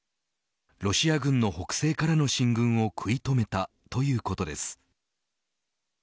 ロシア軍の北西からの進軍を食い止めたということです。